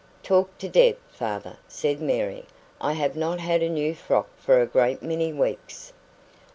"Talk to Deb, father," said Mary. "I have not had a new frock for a great many weeks."